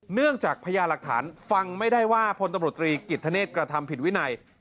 เนื่องจากพญาหลักฐานฟังไม่ได้ว่าพลตำรวจตรีกิจธเนธกระทำผิดวินัย